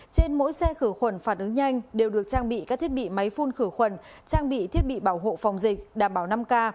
trên mỗi xe khử khuẩn phản ứng nhanh đều được trang bị các thiết bị máy phun khử khuẩn trang bị thiết bị bảo hộ phòng dịch đảm bảo năm k